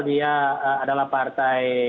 dia adalah partai